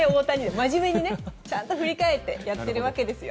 まじめに、ちゃんと振り替えてやっているわけですよ。